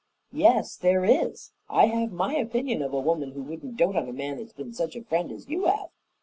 "Yes, there is. I have my opinion of a woman who wouldn't dote on a man that's been such a friend as you have."